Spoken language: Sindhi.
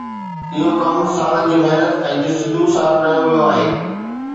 اهو ڪم سالن جي محنت ۽ جستجو سان ڪيو ويو آهي.